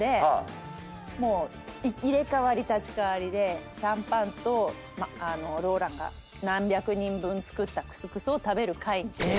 もう入れ代わり立ち代わりでシャンパンとローランが何百人分作ったクスクスを食べる会。